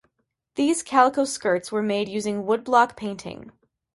These calico skirts were made using woodblock painting.